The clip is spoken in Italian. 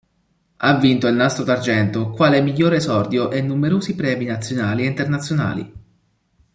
Ha vinto il Nastro d'Argento quale miglior esordio e numerosi premi nazionali e internazionali.